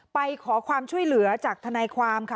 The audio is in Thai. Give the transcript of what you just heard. ไปขอความช่วยเหลือจากทนายความค่ะ